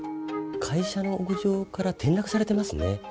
会社の屋上から転落されてますね。